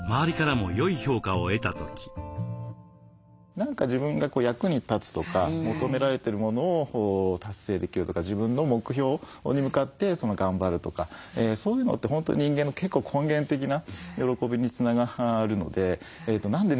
何か自分が役に立つとか求められてるものを達成できるとか自分の目標に向かって頑張るとかそういうのって本当人間の結構根源的な喜びにつながるので何でね